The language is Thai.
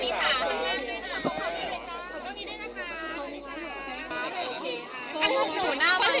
ขอวุ่นให้